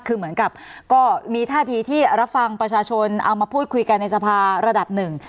คือเหมือนกับก็มีท่าทีที่รับฟังประชาชนเอามาพูดคุยกันในสภาระดับหนึ่ง